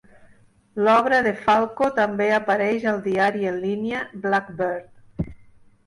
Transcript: L'obra de Falco també apareix al diari en línia "Blackbird".